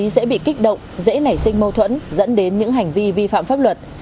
dễ bị kích động dễ nảy sinh mâu thuẫn dẫn đến những hành vi vi phạm pháp luật